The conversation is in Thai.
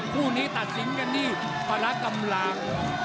คู่นี้ตัดสินกันที่ภาระกำลัง